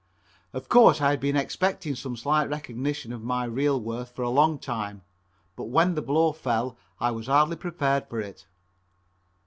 Of course I had been expecting some slight recognition of my real worth for a long time, but when the blow fell I was hardly prepared for it.